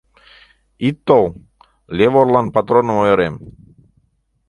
Ит тол, леворлан патроным ойырем!..